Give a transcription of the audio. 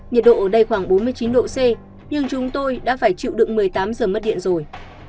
nhiệt độ ở đây khoảng bốn mươi chín độ c nhưng chúng tôi đã phải chịu đựng một mươi tám giờ mất điện rồi